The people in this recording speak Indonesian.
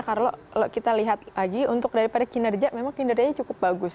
kalau kita lihat lagi untuk daripada kinerja memang kinerjanya cukup bagus